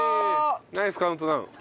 ナイスカウントダウン。